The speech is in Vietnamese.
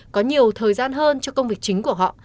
có nhiều thời gian hơn cho công việc chính của họ